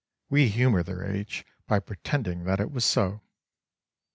We humour their age by pretending that it was so.